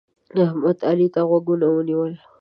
احمد؛ علي ته غوږونه ونیول.